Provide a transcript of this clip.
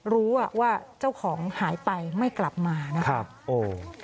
รู้ว่าเจ้าของหายไปไม่กลับมานะครับโอ้